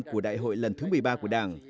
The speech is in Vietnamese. của đại hội lần thứ một mươi ba của đảng